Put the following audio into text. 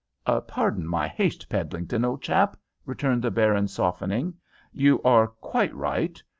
"Pardon my haste, Peddlington, old chap," returned the baron, softening. "You are quite right.